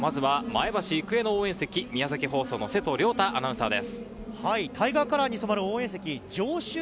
まずは前橋育英の応援席、宮崎放送の瀬藤亮太アナウンサーです。